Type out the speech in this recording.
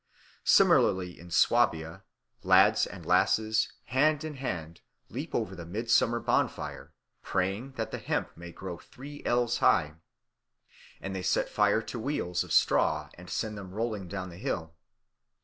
Similarly in Swabia, lads and lasses, hand in hand, leap over the midsummer bonfire, praying that the hemp may grow three ells high, and they set fire to wheels of straw and send them rolling down the hill.